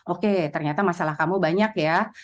oke ternyata masalah kamu banyak ya